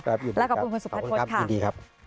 และขอบคุณคุณสุภัทรกษ์ค่ะ